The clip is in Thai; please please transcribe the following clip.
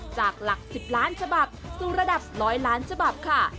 จากหลัก๑๐ล้านฉบับสู่ระดับ๑๐๐ล้านฉบับค่ะ